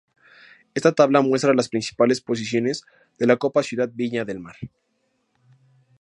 Esta tabla muestra las principales posiciones de la Copa Ciudad Viña del Mar.